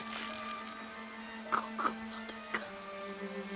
ここまでか。